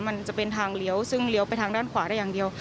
มันจะเป็นทางเลี้ยวซึ่งเลี้ยวไปทางด้านขวาได้อย่างเดียว